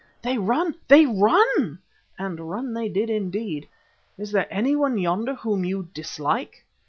They run, they run!" and run they did indeed. "Is there anyone yonder whom you dislike?"